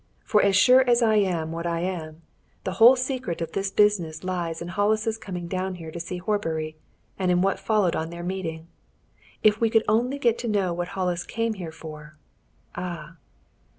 For as sure as I am what I am, the whole secret of this business lies in Hollis's coming down here to see Horbury, and in what followed on their meeting. If we could only get to know what Hollis came here for ah!"